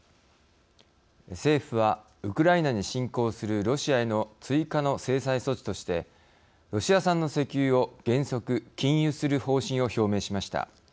政府は、ウクライナに侵攻するロシアへの追加の制裁措置としてロシア産の石油を原則、禁輸する方針を表明しました。